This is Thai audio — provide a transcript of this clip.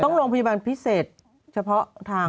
โรงพยาบาลพิเศษเฉพาะทาง